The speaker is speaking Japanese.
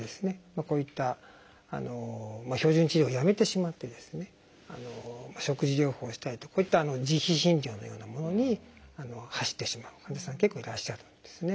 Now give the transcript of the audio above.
こういった標準治療をやめてしまって食事療法をしたりとかこういった自費診療のようなものに走ってしまう患者さん結構いらっしゃるんですね。